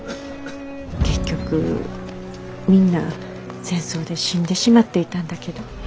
結局みんな戦争で死んでしまっていたんだけど。